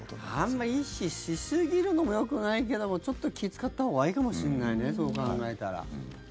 あまり意識しすぎるのもよくないけどもちょっと気を使ったほうがいいかもしれないねそう考えたら。